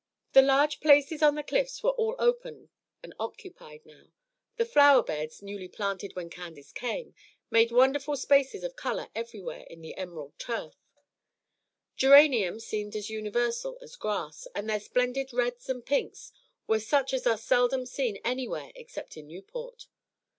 The large places on the Cliffs were all open and occupied now. The flower beds, newly planted when Candace came, made wonderful spaces of color everywhere in the emerald turf. Geraniums seemed as universal as grass, and their splendid reds and pinks were such as are seldom seen anywhere except in Newport.